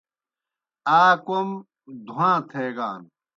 آ کوْم دُھواں تھیگان۔